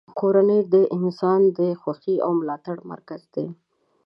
کورنۍ د انسان د خوښۍ او ملاتړ مرکز دی.